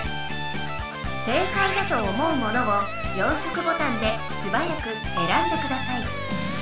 正解だと思うものを４色ボタンですばやくえらんでください。